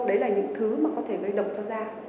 đấy là những thứ mà có thể gây đỡ